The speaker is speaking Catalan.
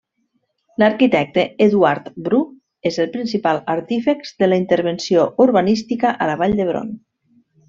L'arquitecte Eduard Bru és el principal artífex de la intervenció urbanística a la Vall d'Hebron.